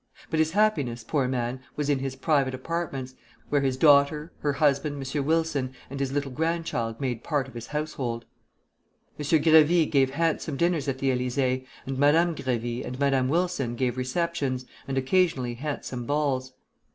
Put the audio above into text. But his happiness, poor man! was in his private apartments, where his daughter, her husband, M. Wilson, and his little grandchild made part of his household. M. Gréevy gave handsome dinners at the Élysée, and Madame Grévy and Madame Wilson gave receptions, and occasionally handsome balls.